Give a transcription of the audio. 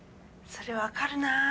それ分かるな。